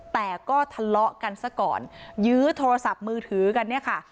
แต่ก็ทะเลาะกันซะก่อนยื้อโทรศัพท์มือถือกันเนี่ยค่ะ